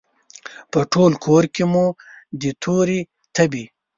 په ټوله کورکې کې مو د تورې تبې،